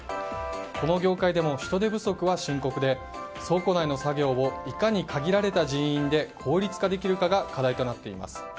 この業界でも人手不足は深刻で倉庫内の作業をいかに限られた人員で効率化できるかが課題となっています。